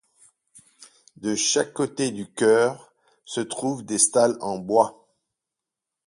De chaque côté du chœur se trouvent des stalles en bois.